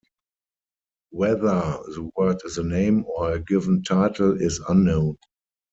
Whether the word is a name or a given title is unknown.